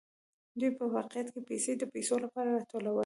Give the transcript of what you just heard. دوی په واقعیت کې پیسې د پیسو لپاره راټولوي